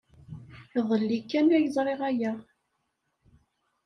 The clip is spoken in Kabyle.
Iḍelli kan ay ẓriɣ aya.